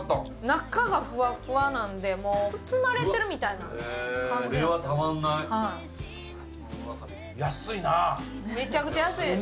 中がふわふわなんで、もう包まれてるみたいな感じなんですよ。